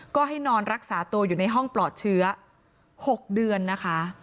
ก็ให้นอนรักษาตัวอยู่ในห้องปลอดเชื้อ๖เดือนนะคะ